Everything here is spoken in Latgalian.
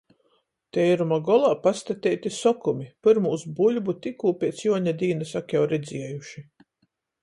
Teiruma golā pastateiti sokumi, pyrmūs buļbu tikū piec Juoņa dīnys ak jau redziejuši.